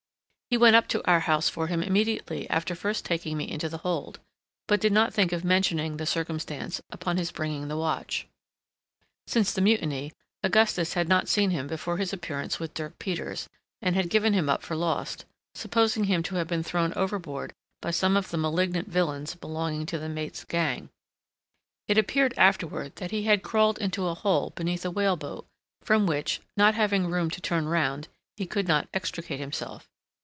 He went up to our house for him immediately after first taking me into the hold, but did not think of mentioning the circumstance upon his bringing the watch. Since the mutiny, Augustus had not seen him before his appearance with Dirk Peters, and had given him up for lost, supposing him to have been thrown overboard by some of the malignant villains belonging to the mate's gang. It appeared afterward that he had crawled into a hole beneath a whale boat, from which, not having room to turn round, he could not extricate himself.